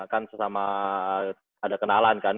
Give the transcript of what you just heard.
kan sesama ada kenalan kan